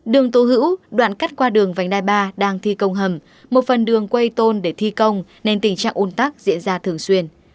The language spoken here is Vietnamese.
đường tô hữu đoạn cắt qua đường vành đai ba đang thi công hầm một phần đường quay tôn để thi công nên tình trạng ôn tắc diễn ra thường xuyên